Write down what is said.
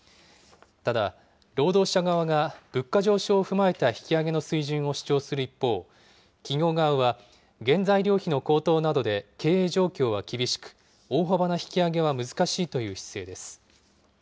ただ、労働者側が物価上昇を踏まえた引き上げの水準を主張する一方、企業側は、原材料費の高騰などで経営状況は厳しく、大幅な引き上げは難しいという姿勢です。